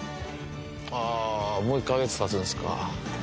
あぁもう１か月たつんですか。